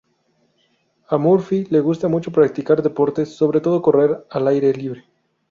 A Murphy le gusta mucho practicar deportes, sobre todo correr al aire libre.